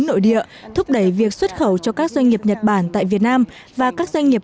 nội địa thúc đẩy việc xuất khẩu cho các doanh nghiệp nhật bản tại việt nam và các doanh nghiệp